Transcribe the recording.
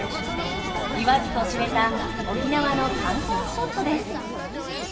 言わずと知れた沖縄の観光スポットです。